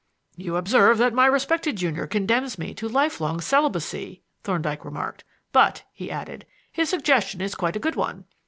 "You observe that my respected junior condemns me to lifelong celibacy," Thorndyke remarked. "But," he added, "his suggestion is quite a good one.